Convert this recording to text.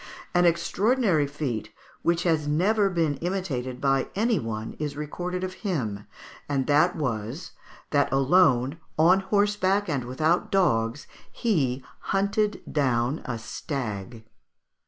An extraordinary feat, which has never been imitated by any one, is recorded of him, and that was, that alone, on horseback and without dogs, he hunted down a stag.